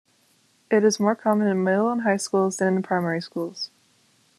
It is more common in middle and high schools than in primary schools.